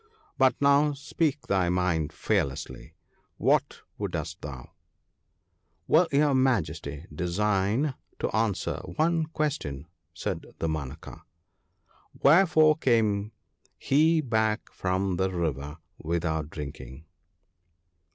But now speak thy mind fearlessly : what wouldst thou ?' 'Will your Majesty deign to answer one question ?* said Damanaka. 'Wherefore came He back from the river without drinking?'